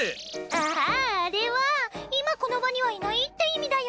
ああれは今この場にはいないって意味だよ。